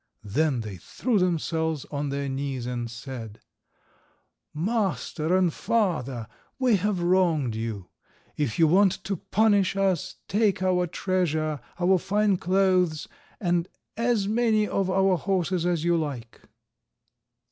Then they threw themselves on their knees, and said— "Master and father, we have wronged you. If you want to punish us take our treasure, our fine clothes, and as many of our horses as you like."